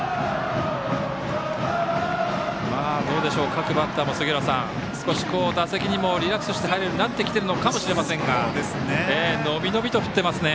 各バッターも少し打席にもリラックスして入れるようになってるのかもしれませんが伸び伸びと振っていますね。